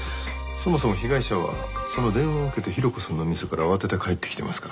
そもそも被害者はその電話を受けてヒロコさんの店から慌てて帰ってきてますからね。